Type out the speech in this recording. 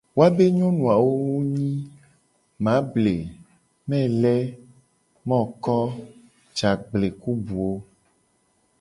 Woabe nyonu awo a wo ye nyi : mable, mele, moko, jagble, ku buwo.